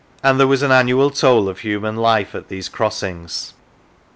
The Sands and there was an annual toll of human life at these crossings.